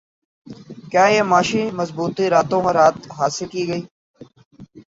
کیا یہ معاشی مضبوطی راتوں رات حاصل کی گئی